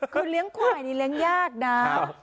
คือเลี้ยงควายนี่เลี้ยงยากนะ